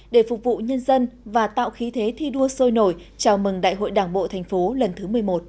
để phục vụ nhân dân và tạo khí thế thi đua sôi nổi chào mừng đại hội đảng bộ thành phố lần thứ một mươi một